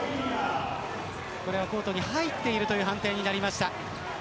これはコートに入っているという判定になりました。